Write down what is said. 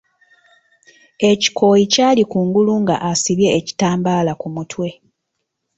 Ekikooyi kyali kungulu nga asibye ekitambaala ku mutwe.